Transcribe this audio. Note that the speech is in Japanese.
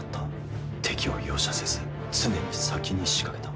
敵を容赦せず常に先に仕掛けた。